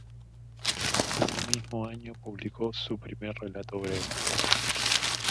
Ese mismo año publicó su primer relato breve.